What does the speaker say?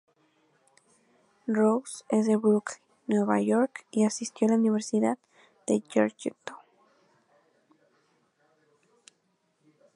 Rose es de Brooklyn, Nueva York, y asistió a la Universidad de Georgetown.